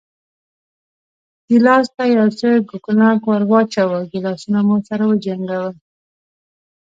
ګیلاس ته یو څه کوګناک ور واچوه، ګیلاسونه مو سره وجنګول.